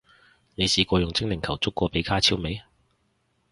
你試過用精靈球捉過比加超未？